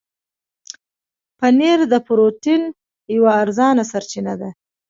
پنېر د پروټين یوه ارزانه سرچینه ده.